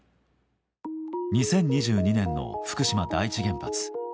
２０２２年の福島第一原発。